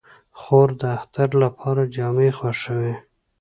خور د اختر لپاره جامې خوښوي.